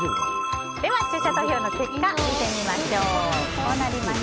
視聴者投票の結果を見てみましょう。